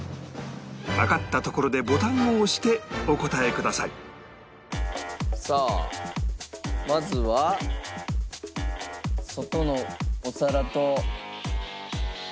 わかったところでボタンを押してお答えくださいさあまずは外のお皿と。